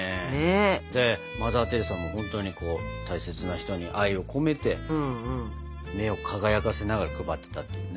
でマザー・テレサも本当に大切な人に愛を込めて目を輝かせながら配ってたっていうね。